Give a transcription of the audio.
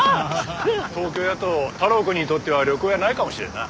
東京やと太郎くんにとっては旅行やないかもしれんな。